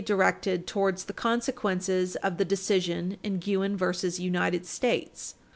271 directed towards the consequences of the decision in Guinn v. United States, supra.